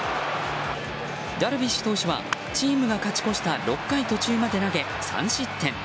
ダルビッシュ投手はチームが勝ち越した６回途中まで投げ３失点。